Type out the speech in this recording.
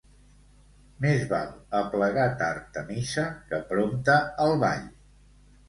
Més val aplegar tard a missa, que prompte al ball.